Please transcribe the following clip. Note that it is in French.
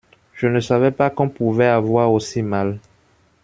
Je ne savais pas qu’on pouvait avoir aussi mal.